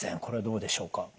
これはどうでしょうか？